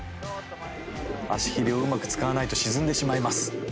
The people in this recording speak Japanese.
足ヒレを、うまく使わないと沈んでしまいます。